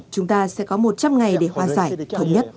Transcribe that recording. chúng ta sẽ có một trăm linh ngày để hòa giải thống nhất